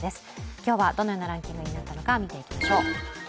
今日はどのようなランキングになったのか、見ていきましょう。